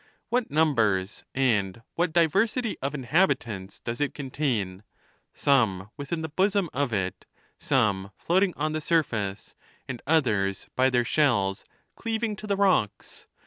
What numbers and what diversity of inhabitants does it contain; some within the bosom of it, some floating on the surface, and others by their shells cleaving to the rocks